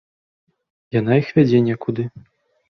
Яна іх вядзе некуды.